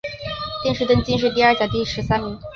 殿试登进士第二甲第十三名。